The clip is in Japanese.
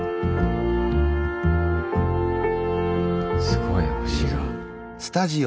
すごい星が。